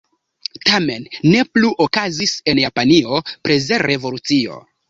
Tamen ne plu: okazis en Japanio prezrevolucio.